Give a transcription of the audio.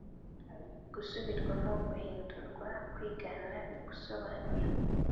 gusubirwamo guhindurwa kwigana gusobanura